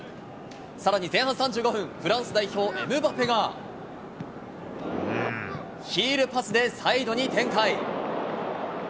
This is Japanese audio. さらに前半３５分、フランス代表、エムバペがヒールパスでサイドに展開。